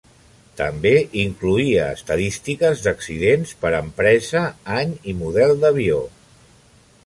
També incloïa estadístiques d'accidents per empresa, any i model d'avió.